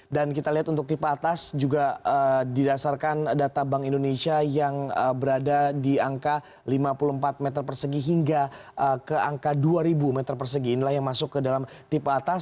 kita lihat untuk tipe atas juga didasarkan data bank indonesia yang berada di angka lima puluh empat meter persegi hingga ke angka dua ribu meter persegi inilah yang masuk ke dalam tipe atas